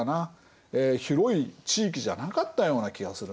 広い地域じゃなかったような気がするな。